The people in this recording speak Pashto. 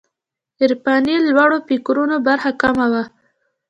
عرفاني لوړو فکرونو برخه کمه وه.